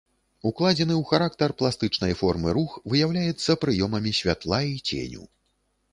Укладзены ў характар пластычнай формы рух выяўляецца прыёмамі святла і ценю.